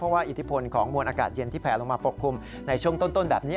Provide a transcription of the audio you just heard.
เพราะว่าอิทธิพลของมวลอากาศเย็นที่แผลลงมาปกคลุมในช่วงต้นแบบนี้